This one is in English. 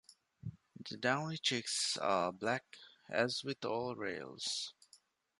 The downy chicks are black, as with all rails.